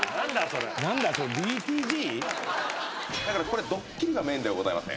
これドッキリがメインではございません。